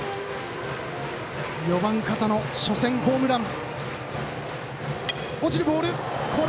４番、片野は初戦ホームラン。